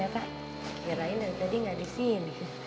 kirain dari tadi nggak di sini